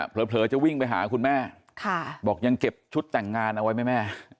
เผลอจะวิ่งไปหาคุณแม่บอกยังเก็บชุดแต่งงานเอาไว้ไหมแม่